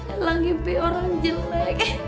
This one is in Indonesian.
elah mimpi orang jelek